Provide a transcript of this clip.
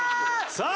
「さあ」？